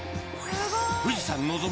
富士山望む